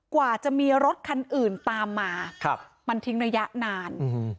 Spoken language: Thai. กว่าจะมีรถคันอื่นตามมาครับมันทิ้งระยะนาน